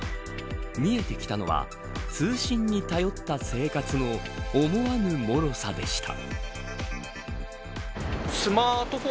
見えてきたのは通信に頼った生活の思わぬもろさでした。